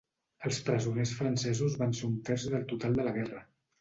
Els presoners francesos van ser un terç del total de la guerra.